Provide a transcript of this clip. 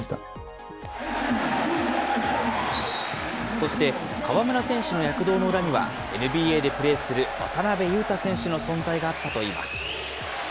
そして、河村選手の躍動の裏には、ＮＢＡでプレーする渡邊雄太選手の存在があったといいます。